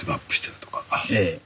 ええ。